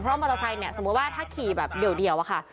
เพราะมอเตอร์ไซค์เนี่ยสมมุติว่าถ้าขี่แบบเดียวอะค่ะ